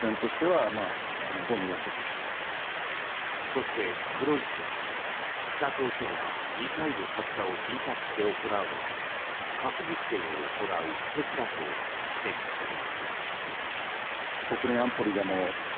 そして、黒井氏は北朝鮮がミサイル発射を頻発して行うのは核実験を行う布石だと指摘する。